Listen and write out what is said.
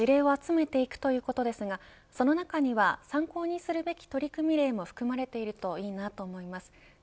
さまざまな事例を集めていくということですがその中には参考にするべき取り組みれも含まれているといいと思います。